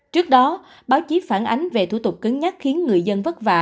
trước đó báo chí phản ánh về thủ tục cứng nhắc khiến người dân vất vả